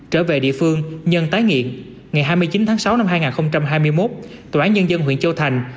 trở về địa phương nhân tái nghiện ngày hai mươi chín tháng sáu năm hai nghìn hai mươi một tòa án nhân dân huyện châu thành